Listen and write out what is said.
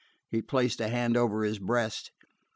He placed a hand over his breast.